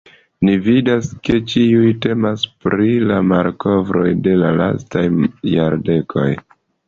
Ni vidas ke ĉiuj temas pri malkovroj de la lastaj jardekoj.